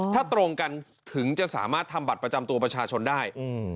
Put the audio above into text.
ถ้าตรงกันถึงจะสามารถทำบัตรประจำตัวประชาชนได้